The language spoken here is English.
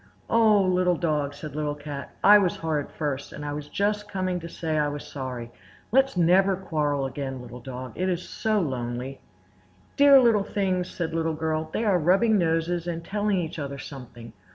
"Oh! Little Dog," said Little Cat, "I was horrid first, and I was just coming to say I was sorry. Let's never quarrel again, Little Dog; it is so lonely!" "Dear little things!" said Little Girl. "They are rubbing noses and telling each other something.